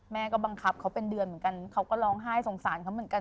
แม่ก็บังคับเขาเป็นเดือนเหมือนกันเขาก็ร้องไห้สงสารเขาเหมือนกัน